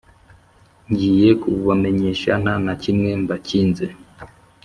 Ngiye kububamenyesha nta na kimwe mbakinze: